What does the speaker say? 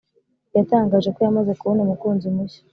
yatangaje ko yamaze kubona umukunzi mushya